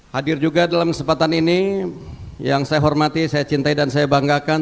hadir juga dalam kesempatan ini yang saya hormati saya cintai dan saya banggakan